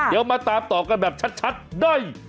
เดี๋ยวมาตามต่อกันแบบชัดได้